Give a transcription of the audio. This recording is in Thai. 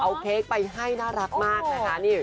เอาเค้กไปให้น่ารักมากนะคะ